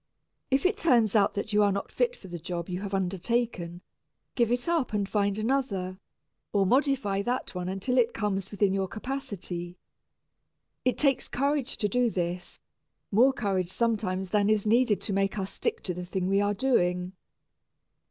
If it turns out that you are not fit for the job you have undertaken, give it up and find another, or modify that one until it comes within your capacity. It takes courage to do this more courage sometimes than is needed to make us stick to the thing we are doing.